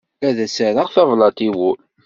Ad as-rreɣ tablaḍt i wul.